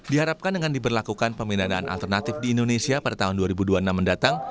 diharapkan dengan diberlakukan pemindahan alternatif di indonesia pada tahun dua ribu dua puluh enam mendatang